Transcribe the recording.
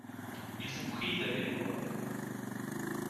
Ils vous prient d’aller les voir.